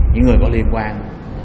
những người có liên quan